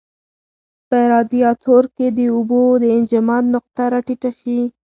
په رادیاتور کې د اوبو د انجماد نقطه را ټیټه شي.